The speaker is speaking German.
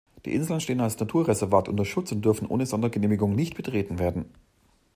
Die Inseln stehen als Naturreservat unter Schutz und dürfen ohne Sondergenehmigung nicht betreten werden.